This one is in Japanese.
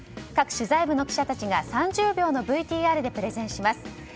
各取材部の記者たちが３０秒のＶＴＲでプレゼンします。